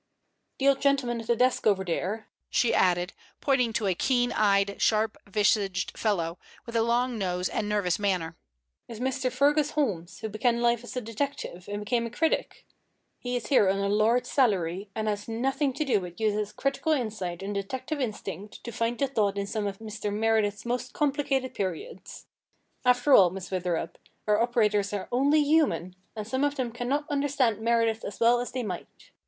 The old gentleman at the desk over there," she added, pointing to a keen eyed, sharp visaged fellow, with a long nose and nervous manner, "is Mr. Fergus Holmes, who began life as a detective, and became a critic. He is here on a large salary, and has nothing to do but use his critical insight and detective instinct to find the thought in some of Mr. Meredith's most complicated periods. After all, Miss Witherup, our operators are only human, and some of them cannot understand Meredith as well as they might."